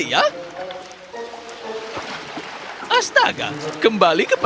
jadi hant manualan lainnya